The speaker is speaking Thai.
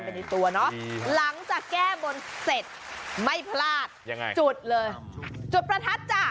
ในตัวเนอะหลังจากแก้บนเสร็จไม่พลาดยังไงจุดเลยจุดประทัดจ้ะ